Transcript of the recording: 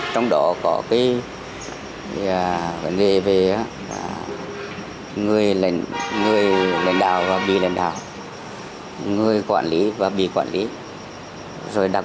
trong đó có cái vấn đề về người lãnh đạo và bị lãnh đạo người quản lý và bị quản lý rồi đặc